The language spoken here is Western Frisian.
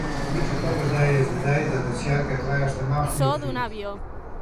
Wite Tongersdei is de dei dat de tsjerke it Lêste Nachtmiel fiert.